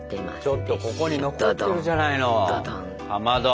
ちょっとここに残ってるじゃないのかまど。